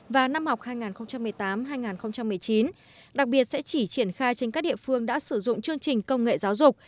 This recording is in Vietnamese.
hai nghìn một mươi tám và năm học hai nghìn một mươi tám hai nghìn một mươi chín đặc biệt sẽ chỉ triển khai trên các địa phương đã sử dụng chương trình công nghệ giáo dục